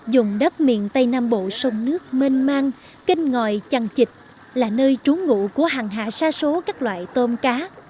dùng đất miền tây nam bộ sông nước mênh mang kênh ngòi chằn chịch là nơi trú ngụ của hàng hạ xa số các loại tôm cá